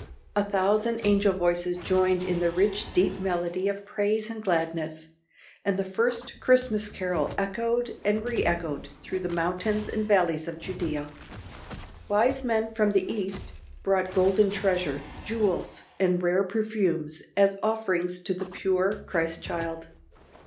A thousand angel voices joined in the rich deep melody of praise and gladness, and the first Christmas carol echoed and re echoed through the mountains and valleys of Judea. Wise men from the East, brought golden treasure, jewels, and rare perfumes, as offerings to the pure Christ child.